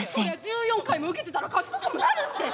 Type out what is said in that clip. １４回も受けてたら賢くもなるって。